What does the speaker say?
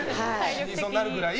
死にそうになるくらい。